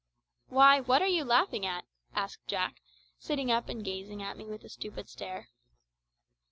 "Why, what are you laughing at?" said Jack, sitting up and gazing at me with a stupid stare.